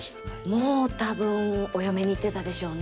もう多分お嫁に行ってたでしょうね。